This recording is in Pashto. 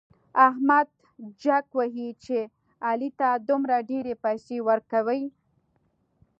احمد جک وهي چې علي ته دومره ډېرې پيسې ورکوي.